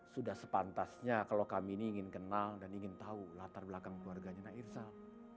sudah sepantasnya kalau kami ini ingin kenal dan ingin tahu latar belakang keluarganya nairzal